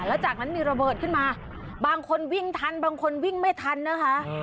แล้วจากนั้นมีระเบิดขึ้นมาบางคนวิ่งทันบางคนวิ่งไม่ทันนะคะ